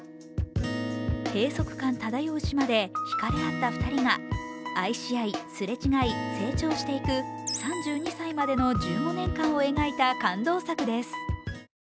閉塞感漂う島でひかれ合った２人が愛し合いすれ違い、成長していく３２歳までの１５年間を描いた感動作です。